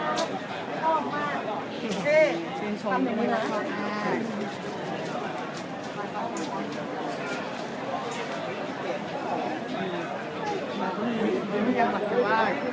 ขอบคุณค่ะชื่นชมที่มีรักษาอ้าว